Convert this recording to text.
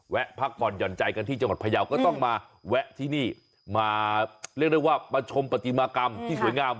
พักผ่อนหย่อนใจกันที่จังหวัดพยาวก็ต้องมาแวะที่นี่มาเรียกได้ว่ามาชมปฏิมากรรมที่สวยงาม